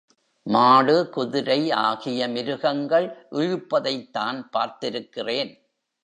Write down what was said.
மாடு, குதிரை ஆகிய மிருகங்கள் இழுப்பதைத்தான் பார்த்திருக்கிறேன்.